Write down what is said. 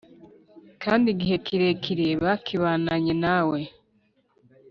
kandi igihe kirekire bakibananye nawe